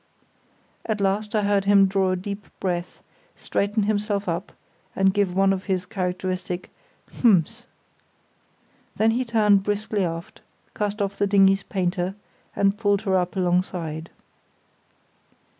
At last I heard him draw a deep breath, straighten himself up, and give one of his characteristic "h'ms". Then he turned briskly aft, cast off the dinghy's painter, and pulled her up alongside.